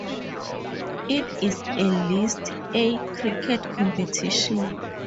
It is a List A cricket competition.